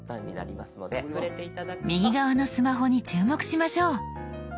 右側のスマホに注目しましょう。